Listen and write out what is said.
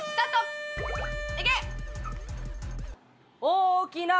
いけ！